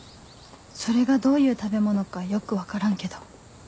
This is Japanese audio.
それがどういう食べ物かよく分からんけど